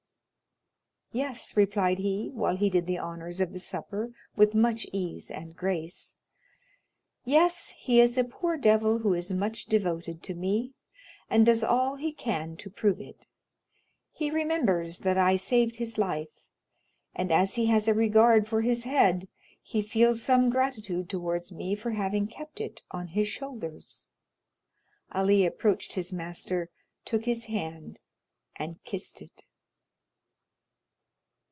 "Yes," replied he, while he did the honors of the supper with much ease and grace—"yes, he is a poor devil who is much devoted to me, and does all he can to prove it. He remembers that I saved his life, and as he has a regard for his head, he feels some gratitude towards me for having kept it on his shoulders." Ali approached his master, took his hand, and kissed it.